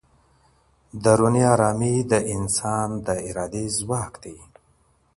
دروني ارامي د انسان د ارادې ځواک دی.